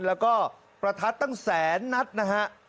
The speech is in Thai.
แล้วก็ประทัดตั้งแสนนัดนะฮะ